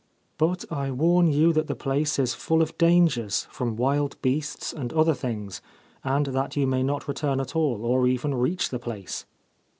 But I warn you that the place is full of dangers from wild beasts and other things, and that you may not return at all or even reach the place.'